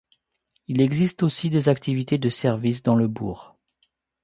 Il existe aussi des activités de services dans le bourg.